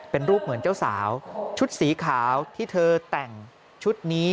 เป็นรูปเหมือนเจ้าสาวชุดสีขาวที่เธอแต่งชุดนี้